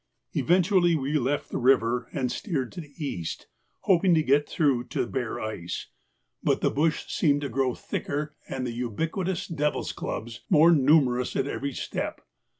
Eventually we left the river and steered to the east, hoping to get through to bare ice, but the bush seemed to grow thicker and the ubiquitous devil's clubs more numerous at every step.